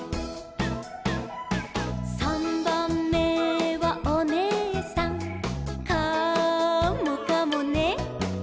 「さんばんめはおねえさん」「カモかもね」